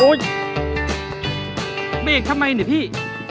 อุ๊ยแม่เองทำไมเนี่ยพี่